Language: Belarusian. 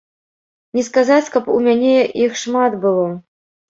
Не сказаць, каб у мяне іх шмат было.